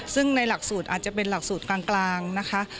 ซึ่งในหลักสูตรอาจจะเป็นหลักสูตรกลางนะคะ